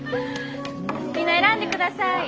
みんな選んでください。